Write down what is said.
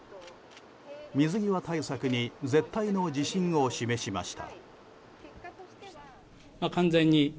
水際対策に絶対の自信を示しました。